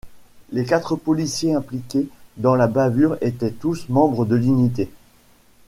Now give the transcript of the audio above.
Les quatre policiers impliqués dans la bavure étaient tous membres de l'unité.